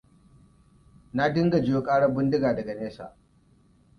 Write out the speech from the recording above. Na dinga jiyo ƙarar bindiga daga nesa.